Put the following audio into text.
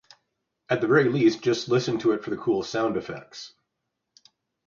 At the very least just listen to it for the cool sound effects.